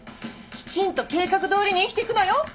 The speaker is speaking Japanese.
きちんと計画通りに生きて行くのよ！